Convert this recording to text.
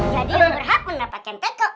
jadi umur aku gak pakai teko